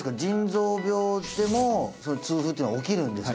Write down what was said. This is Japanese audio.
腎臓病でも痛風っていうのは起きるんですか？